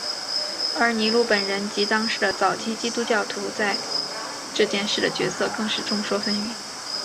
而尼禄本人及当时的早期基督教徒在这件事的角色更是众说纷纭。